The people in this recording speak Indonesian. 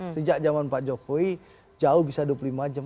sejak zaman pak jokowi jauh bisa dua puluh lima jam